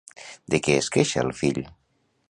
De què es queixa el fill?